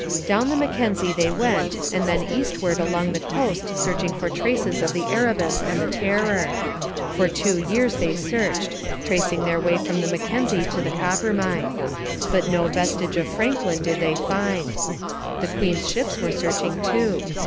Down the Mackenzie they went and then eastward along the coast searching for traces of the Erebus and the Terror. For two years they searched, tracing their way from the Mackenzie to the Coppermine. But no vestige of Franklin did they find. The queen's ships were searching too.